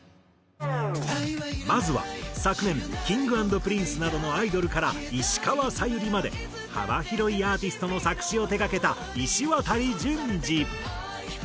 まずは昨年Ｋｉｎｇ＆Ｐｒｉｎｃｅなどのアイドルから石川さゆりまで幅広いアーティストの作詞を手がけたいしわたり淳治。